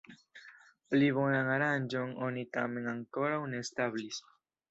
Pli bonan aranĝon oni tamen ankoraŭ ne establis.